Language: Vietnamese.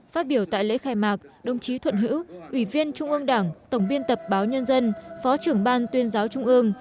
phát biểu tại lễ khai mạc đồng chí thuận hữu ủy viên trung ương đảng tổng biên tập báo nhân dân phó trưởng ban tuyên giáo trung ương